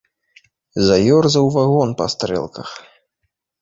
Заёрзаў вагон па стрэлках.